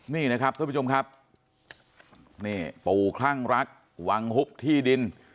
นี่นะครับท่านผู้ชมครับนี่ปู่คลั่งรักวังฮุบที่ดิน